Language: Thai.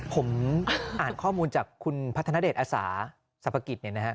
ผมอ่านข้อมูลจากคุณพัฒณเดชอาสาสัปกิจเนี่ยนะครับ